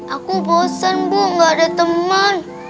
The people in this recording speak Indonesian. aku bosan bu gak ada teman